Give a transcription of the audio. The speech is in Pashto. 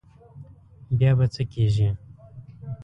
بیا به څه کېږي.